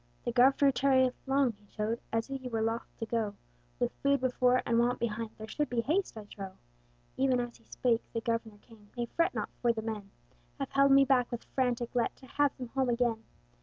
"The Governor tarrieth long," he chode, "As he were loth to go: With food before, and want behind, There should be haste, I trow." Even as he spake, the Governor came: "Nay, fret not, for the men Have held me back with frantic let, To have them home again.